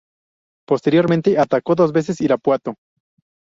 Posteriormente atacó dos veces Irapuato.